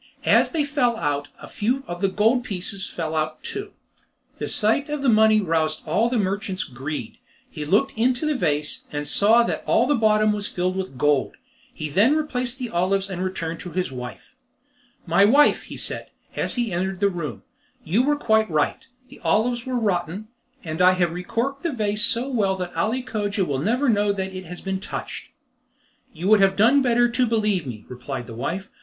As they fell out a few of the gold pieces fell out too. The sight of the money roused all the merchant's greed. He looked into the vase, and saw that all the bottom was filled with gold. He then replaced the olives and returned to his wife. "My wife," he said, as he entered the room, "you were quite right; the olives are rotten, and I have recorked the vase so well that Ali Cogia will never know it has been touched." "You would have done better to believe me," replied the wife.